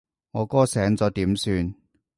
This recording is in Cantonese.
我哥醒咗點算？